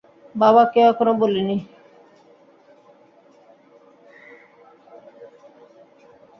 বাবা কেউ এখনো বলি নি।